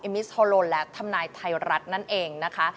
มิสโฮโลนและทำนายไทยรัฐนั่นเองนะคะ